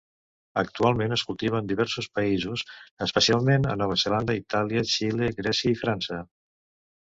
Actualment es cultiva en diversos països, especialment a Nova Zelanda, Itàlia, Xile, Grècia i França.